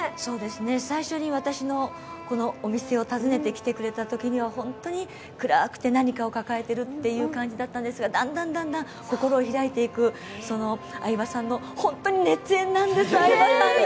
最初に私のお店を訪ねてきてくれたときには本当に暗くて何かを抱えているという感じだったんですが、だんだんだんだん心を開いていく、その相葉さんの、本当に熱演なんです、相葉さんが。